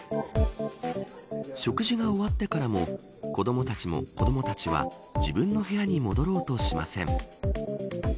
食事が終わってからも子どもたちは自分の部屋に戻ろうとしません。